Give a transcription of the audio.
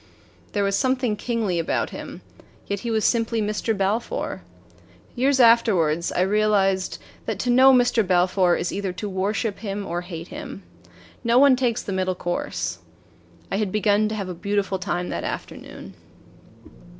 There was something kingly about him yet he was simply Mr. Balfour. Years afterward I realized that to know Mr. Balfour is either to worship him or hate him. No one takes the middle course. I had begun to have a beautiful time that afternoon.